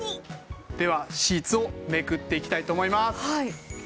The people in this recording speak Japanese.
シーツをめくっていきたいと思います。